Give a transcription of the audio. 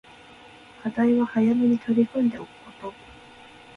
課題は早めに取り組んでおくこと